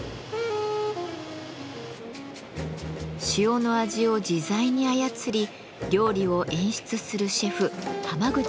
塩の味を自在に操り料理を演出するシェフ濱口昌大さん。